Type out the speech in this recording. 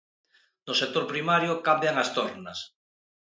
No sector primario cambian as tornas.